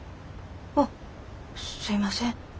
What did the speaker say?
あっすいません。